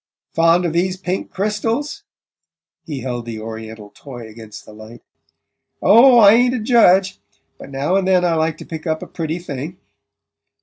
"Fond of these pink crystals?" He held the oriental toy against the light. "Oh, I ain't a judge but now and then I like to pick up a pretty thing."